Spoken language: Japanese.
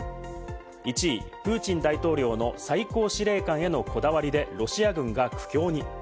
１位、プーチン大統領の最高司令官へのこだわりでロシア軍が苦境に。